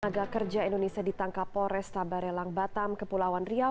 penaga kerja indonesia ditangkap polresta barelang batam ke pulauan riau